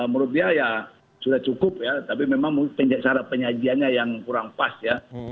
menurut dia ya sudah cukup ya tapi memang cara penyajiannya yang kurang pas ya